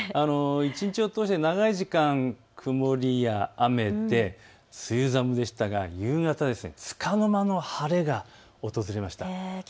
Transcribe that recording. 一日を通して長い時間、曇りや雨で梅雨寒でしたが夕方はつかの間の晴れが訪れました。